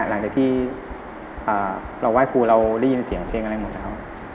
หลังจากที่เราไหว้ครูเราได้ยินเสียงเพลงอะไรหมดแล้ว